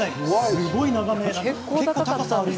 すごい眺め。